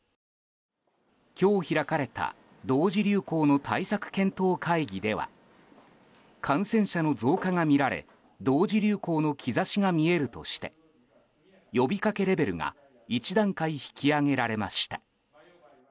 今日開かれた同時流行の対策検討会議では感染者の増加が見られ同時流行の兆しが見えるとして呼びかけレベルが１段階引き上げられました。